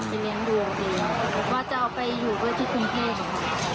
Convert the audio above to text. จะรับไปเลี้ยงดูแล้วก็จะเอาไปอยู่ที่กรุงเทพนะคะ